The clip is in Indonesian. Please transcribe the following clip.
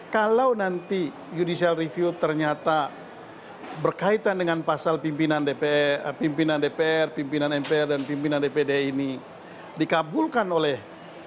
kalau nanti judicial review ternyata berkaitan dengan pasal pimpinan dpr pimpinan mpr dan pimpinan dpd ini dikabulkan oleh